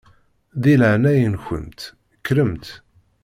Di leɛnaya-nkent kkremt.